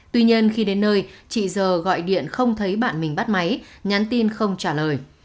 tuy nhiên khi đến nơi chị giờ gọi điện không thấy bạn mình bắt máy nhắn tin không trả lời